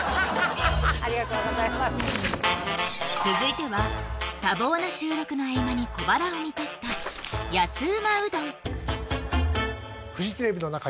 ありがとうございます続いては多忙な収録の合間に小腹を満たした安旨うどん懐かしい！